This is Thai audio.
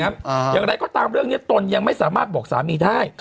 อย่างไรก็ตามเรื่องเนี้ยตนยังไม่สามารถบอกสามีได้